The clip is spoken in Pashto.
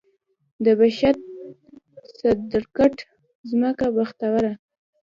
د پشد، صدرګټ ځمکه بختوره